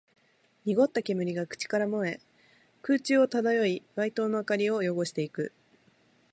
濁った煙が口から漏れ、空中を漂い、街灯の明かりを汚していく